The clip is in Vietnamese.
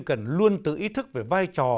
cần luôn tự ý thức về vai trò